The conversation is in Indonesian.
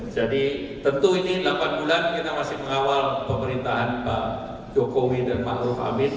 jadi tentu ini delapan bulan kita masih mengawal pemerintahan pak jokowi dan pak ruf amin